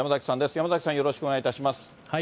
山崎さん、よろしくお願いいたします。